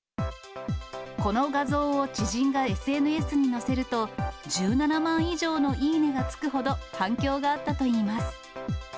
この画像を知人がＳＮＳに載せると、１７万以上のいいねがつくほど、反響があったといいます。